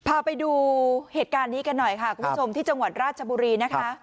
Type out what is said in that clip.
พาไปดูเหตุการณ์นี้กันหน่อยค่ะคุณผู้ชมที่จังหวัดราชบุรีนะคะ